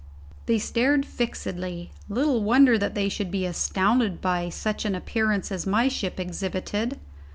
They stared fixedly; little wonder that they should be astounded by such an appearance as my ship exhibited.